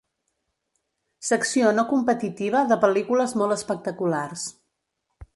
Secció no competitiva de pel·lícules molt espectaculars.